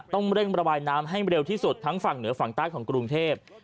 ต้องเร่งระบายน้ำให้เร็วที่สุดทั้งฝั่งเหนือฝั่งใต้ของกรุงเทพ